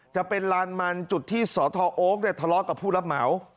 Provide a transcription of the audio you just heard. จะเป็นลานมันจุดที่สทโอ๊คทะเลาะกับผู้รับเหมา